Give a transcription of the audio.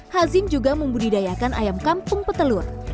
hazim juga membudidayakan ayam kampung petelur